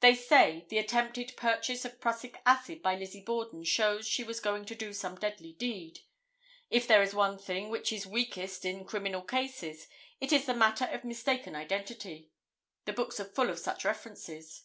They say the attempted purchase of prussic acid by Lizzie Borden shows she was going to do some deadly deed. If there is one thing which is weakest in criminal cases it is the matter of mistaken identity. The books are full of such references.